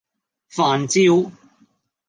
飯焦